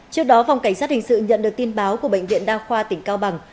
trước đó phòng cảnh sát hình sự nhận được tin báo của bệnh viện đa khoa tỉnh cao bằng